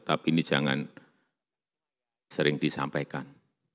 tapi ini jangan sering disampaikan